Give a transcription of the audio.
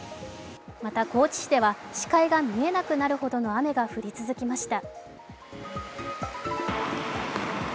また高知市では視界が見えなくなるほどの雨が降り続きました。